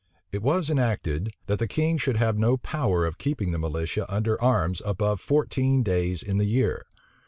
It was enacted, that the king should have no power of keeping the militia under arms above fourteen days in the year.